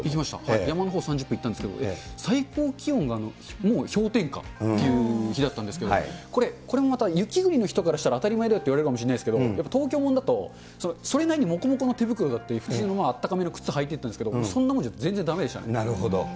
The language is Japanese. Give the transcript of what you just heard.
山のほう３０分いったんですけど、最高気温がもう氷点下っていう日だったんですけれども、これ、これもまた雪国の人からしたら当たり前だといわれるかもしれないですけど、やっぱり東京もんだと、それなりに、もこもこの手袋だったり、普通のあったかめの靴履いて行ったんですけど、そんなものじゃ全然だめでした。